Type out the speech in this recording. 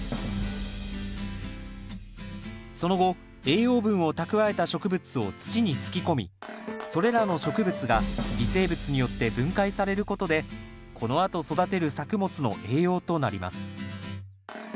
その後栄養分を蓄えた植物を土にすき込みそれらの植物が微生物によって分解されることでこのあと育てる作物の栄養となります。